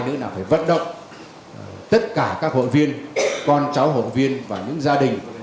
nữa là phải vận động tất cả các hội viên con cháu hội viên và những gia đình